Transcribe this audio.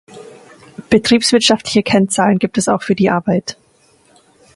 Betriebswirtschaftliche Kennzahlen gibt es auch für die Arbeit.